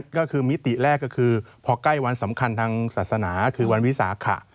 ก็คือมิติแรกก็คือพอใกล้วันสำคัญทางศาสนาคือวันวิสาขะ